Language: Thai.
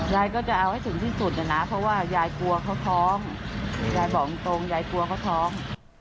ยายก็จะเอาให้ถึงที่สุดนะเพราะว่ายายกลัวเขาท้องยายบอกตรงยายกลัวเขาท้อง